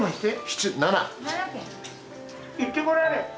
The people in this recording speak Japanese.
・行ってこられ。